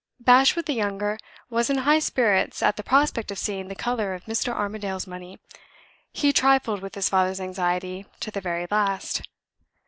Bashwood the younger was in high spirits at the prospect of seeing the color of Mr. Armadale's money. He trifled with his father's anxiety to the very last.